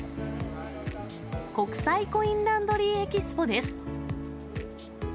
国際コインランドリーＥＸＰＯです。